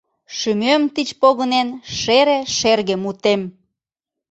Шӱмем тич погынен шере шерге мутем.